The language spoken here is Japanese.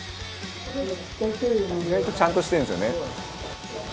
「意外とちゃんとしてるんですよね」